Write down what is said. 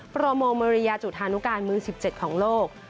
โปรโมเมริยาจุธานุการมือ๑๗ของโลก